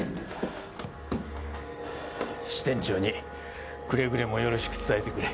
支店長にくれぐれもよろしく伝えてくれ。